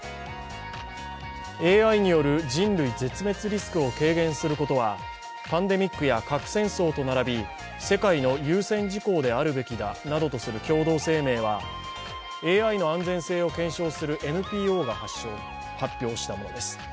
ＡＩによる人類絶滅リスクを軽減することは、パンデミックや核戦争と並び世界の優先事項であるべきだなどとする共同声明はＡＩの安全性を検証するＮＰＯが発表したものです。